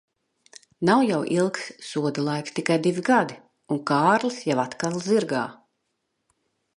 Nav jau ilgs soda laiks, tikai divi gadi, un Kārlis jau atkal zirgā.